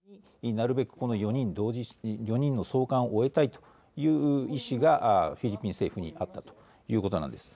なるべく同時に４人の送還を終えたいという意思がフィリピン政府にあったということなんです。